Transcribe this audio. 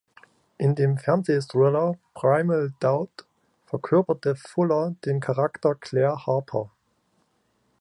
In dem Fernsehthriller "Primal Doubt" verkörperte Fuller den Charakter "Claire Harper".